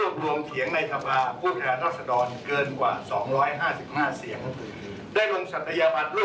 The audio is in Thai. ทรีย์บริษฐาหัวหน้าพักอนาคตหมาย